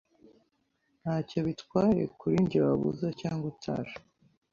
Ntacyo bitwaye kuri njye waba uza cyangwa utaje.